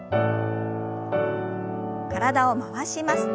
体を回します。